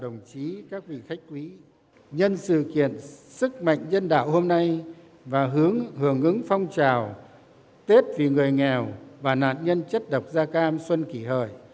nhân sự kiện sức mạnh nhân đạo hôm nay và hưởng ứng phong trào tết vì người nghèo và nạn nhân chất độc gia cam xuân kỷ hời